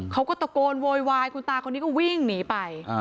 เขาก็ตะโกนโวยวายคุณตาคนนี้ก็วิ่งหนีไป